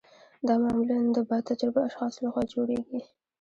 دا معمولا د با تجربه اشخاصو لخوا جوړیږي.